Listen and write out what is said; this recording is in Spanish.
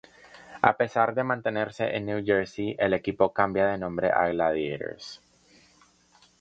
A pesar de mantenerse en New Jersey el equipo cambia de nombre a Gladiators,